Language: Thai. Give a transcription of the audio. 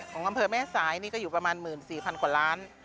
อำเภอแม่สายนี่ก็อยู่ประมาณ๑๔๐๐กว่าล้าน